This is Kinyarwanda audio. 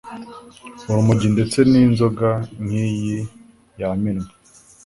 urumogi ndetse n’inzoga nk’iyi yamenwe